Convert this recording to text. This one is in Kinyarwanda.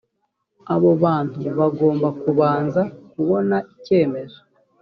abo bantu bagomba kubanza kubona icyemezo